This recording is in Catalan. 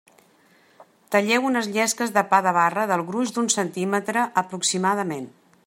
Talleu unes llesques de pa de barra del gruix d'un centímetre aproximadament.